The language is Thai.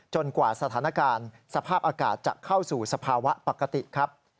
กว่าสถานการณ์สภาพอากาศจะเข้าสู่สภาวะปกติครับ